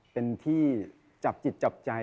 เป็นที่จับจิตจับใจ